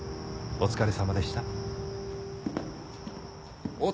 お疲れさまでしたっ！